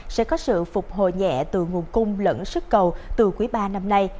sẽ có sự phục hồi nhẹ từ nguồn cung lẫn sức cầu từ quý ba năm nay